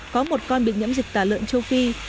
có một con bị nhiễm dịch tả lợn châu phi